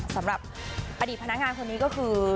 สำหรับอดีตพนักงานคนนี้ก็คือ